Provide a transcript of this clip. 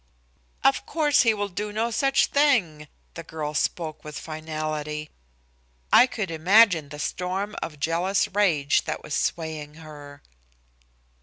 "Of course he will do no such thing." The girl spoke with finality. I could imagine the storm of jealous rage that was swaying her.